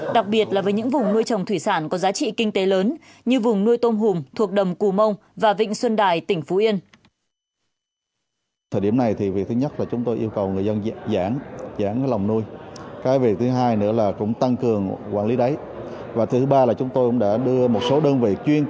đặc biệt là với những vùng nuôi trồng thủy sản có giá trị kinh tế lớn như vùng nuôi tôm hùm thuộc đầm cù mông và vịnh xuân đài tỉnh phú yên